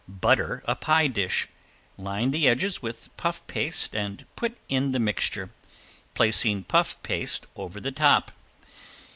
Butter a pie dish, line the edges with puff paste and put in the mixture, placing puff paste over the top.